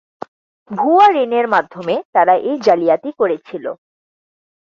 ভুয়া ঋণের মাধ্যমে তারা এই জালিয়াতি করেছিল।